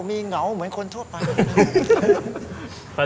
มีเหงาเหมือนคนทั่วไป